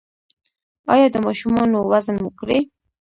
ایا د ماشومانو وزن مو کړی؟